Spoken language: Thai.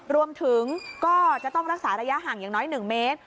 รวมถึงก็จะต้องรักษาระยะห่างอย่างน้อย๑เมตร